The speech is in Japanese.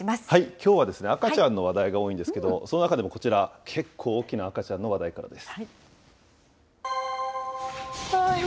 きょうは赤ちゃんの話題が多いんですけど、その中でもこちら、結構大きな赤ちゃんの話題からです。